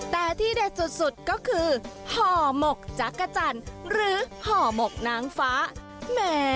แต่ที่เด็ดสุดก็คือห่อหมกจักรจันทร์หรือห่อหมกนางฟ้าแหม